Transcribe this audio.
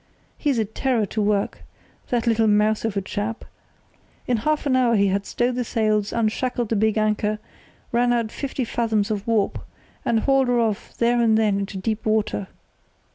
He's a terror to work, that little mouse of a chap. In half an hour he had stowed the sails, unshackled the big anchor, run out fifty fathoms of warp, and hauled her off there and then into deep water.